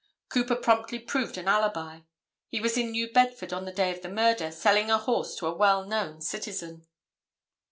Cooper promptly proved an alibi. He was in New Bedford on the day of the murder selling a horse to a well known citizen.